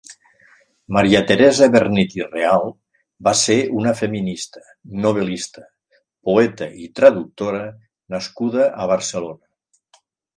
Maria Teresa Vernet i Real va ser una feminista, novel·lista, poeta i traductora nascuda a Barcelona.